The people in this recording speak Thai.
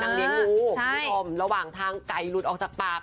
นางนี้งูรวมระหว่างทางไก่ลุดออกจากปาก